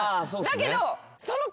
だけど。